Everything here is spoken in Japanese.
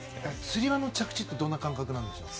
つり輪の着地ってどんな感覚なんですか？